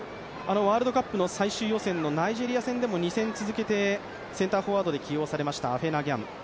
ワールドカップの最終予選ナイジェリア戦でも２戦続けて、センターフォワードで起用されました、アフェナ・ギャン。